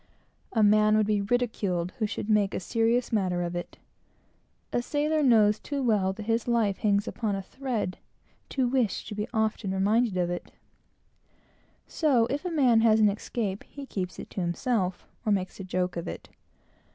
A man would be ridiculed who should make a serious matter of it. A sailor knows too well that his life hangs upon a thread, to wish to be always reminded of it; so, if a man has an escape, he keeps it to himself, or makes a joke of it.